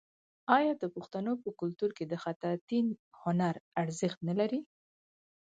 آیا د پښتنو په کلتور کې د خطاطۍ هنر ارزښت نلري؟